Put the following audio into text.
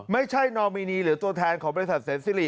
ไม่ใช่นอมินีหรือตัวแทนของบริษัทเซ็นซิริ